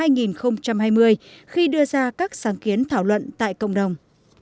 năm hai nghìn hai mươi khi đưa ra các sáng kiến thảo luận tại cộng đồng